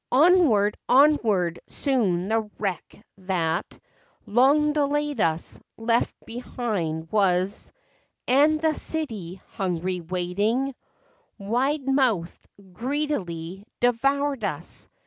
Onward, onward, soon the wreck that Long delayed us, left behind was— And the city, hungry, waiting, Wide mouthed, greedily devoured us.